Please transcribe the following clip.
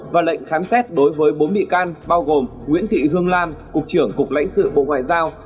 và lệnh khám xét đối với bốn bị can bao gồm nguyễn thị hương lan cục trưởng cục lãnh sự bộ ngoại giao